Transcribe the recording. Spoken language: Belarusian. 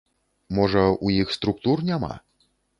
Можа, у іх структур няма?